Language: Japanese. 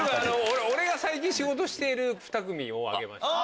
俺が最近仕事しているふた組を挙げました。